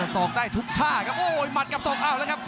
สองได้ทุกท่าครับโอ้ยหมัดกับศอกอ้าวแล้วครับ